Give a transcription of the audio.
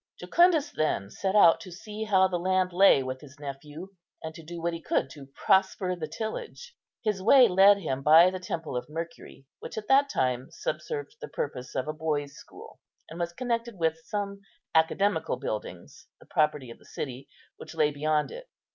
Jucundus, then, set out to see how the land lay with his nephew, and to do what he could to prosper the tillage. His way led him by the temple of Mercury, which at that time subserved the purpose of a boy's school, and was connected with some academical buildings, the property of the city, which lay beyond it.